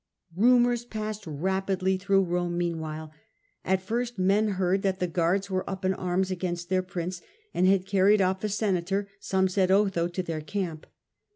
Rumours passed rapidly through Rome meanwhile. At first men heard that the guards were up in anns against their prince and had carried off a senator, some said Otho, to their camp.